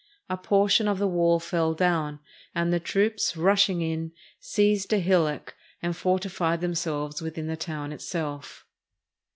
A portion of the wall fell down, and the troops, rushing in, seized a hillock, and fortified themselves within the town itself.